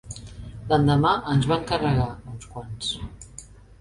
L'endemà ens van carregar, uns quants